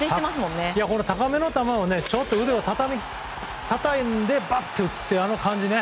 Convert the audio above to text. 高めの球を腕をたたんでばっと打つっていうあの感じね。